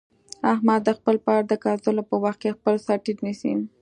احمد د خپل پلار د کنځلو په وخت کې خپل سرټیټ نیسي.